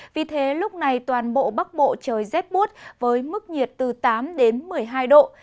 vì thế lúc này toàn bộ bắc bộ trời rét bút với mức nhiệt từ tám đến một mươi hai độ